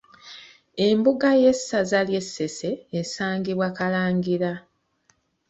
Embuga y'essaza ly’e Ssese esangibwa Kalangira.